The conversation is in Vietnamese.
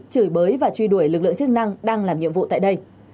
chửi bới và truy đuổi lực lượng chức năng đang làm nhiệm vụ tại đây